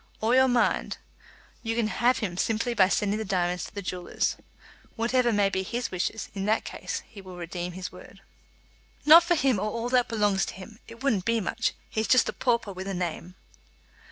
"Or your mind, you can have him by simply sending the diamonds to the jewellers. Whatever may be his wishes, in that case he will redeem his word." "Not for him or all that belongs to him! It wouldn't be much. He's just a pauper with a name."